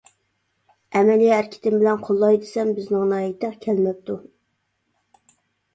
ئەمەلىي ھەرىكىتىم بىلەن قوللاي دېسەم، بىزنىڭ ناھىيەگە تېخى كەلمەپتۇ.